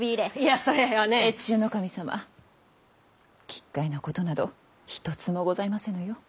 奇怪なことなど一つもございませぬよ。